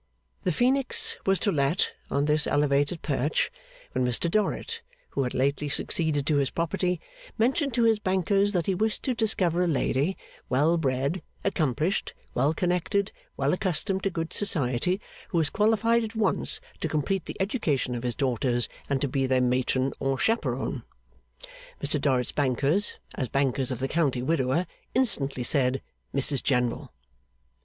The phoenix was to let, on this elevated perch, when Mr Dorrit, who had lately succeeded to his property, mentioned to his bankers that he wished to discover a lady, well bred, accomplished, well connected, well accustomed to good society, who was qualified at once to complete the education of his daughters, and to be their matron or chaperon. Mr Dorrit's bankers, as bankers of the county widower, instantly said, 'Mrs General.